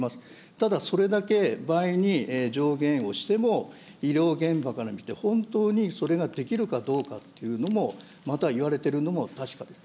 ただ、それだけ倍に上限をしても、医療現場から見て、本当にそれができるかどうかっていうのも、またいわれているのも確かです。